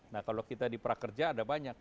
nah kalau kita di prakerja ada banyak